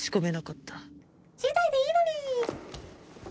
死罪でいいのに！